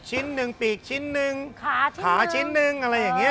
ชิ้นหนึ่งปีกชิ้นหนึ่งขาชิ้นขาชิ้นหนึ่งอะไรอย่างนี้